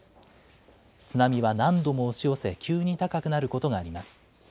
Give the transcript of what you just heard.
津波は何度も押し寄せ、急に高くなることがあります。